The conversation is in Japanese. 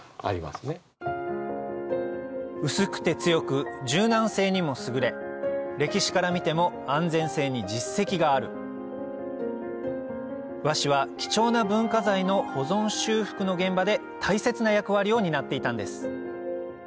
薄くて強く柔軟性にも優れ歴史から見ても安全性に実績がある和紙は貴重な文化財の保存修復の現場で大切な役割を担っていたんです